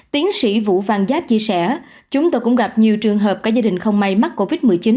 tiến sĩ vũ văn giáp chia sẻ chúng tôi cũng gặp nhiều trường hợp cả gia đình không may mắc covid một mươi chín